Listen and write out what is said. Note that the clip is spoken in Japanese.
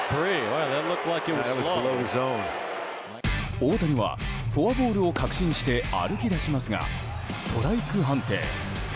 大谷はフォアボールを確信して歩き出しますがストライク判定。